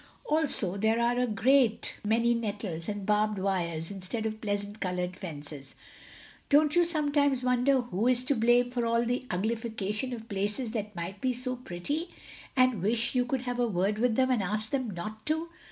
Also there are a great many nettles and barbed wires instead of pleasant colored fences. Don't you sometimes wonder who is to blame for all the uglification of places that might be so pretty, and wish you could have a word with them and ask them not to?